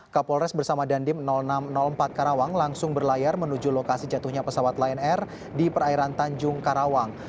kapolres bersama dandim enam ratus empat karawang langsung berlayar menuju lokasi jatuhnya pesawat lion air di perairan tanjung karawang